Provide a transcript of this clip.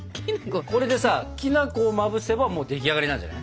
これでさきな粉をまぶせばもう出来上がりなんじゃない。